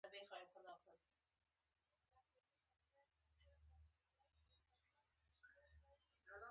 ایا مصنوعي ځیرکتیا د حقیقت او تفسیر ترمنځ کرښه نه ګډوډوي؟